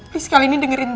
please kali ini dengerin gue